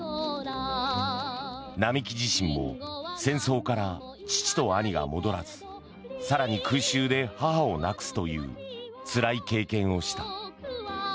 並木自身も、戦争から父と兄が戻らず更に空襲で母を亡くすというつらい経験をした。